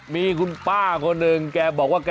มีคุณป้าคนหนึ่งแกบอกว่า